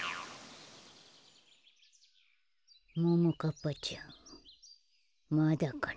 ももかっぱちゃんまだかな。